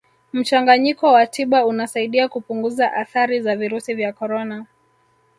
mchanganyiko wa tiba unasaidia kupunguza athari za virusi vya corona